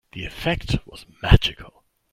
The effect was magical.